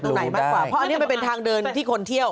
เพราะอันนี้มันเป็นทางเดินที่คนเที่ยว